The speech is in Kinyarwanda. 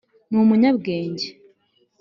ni umunyabwenge.